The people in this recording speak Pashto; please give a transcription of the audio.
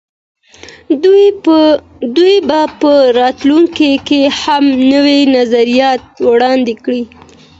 دوی به په راتلونکي کي هم نوي نظریات وړاندې کړي.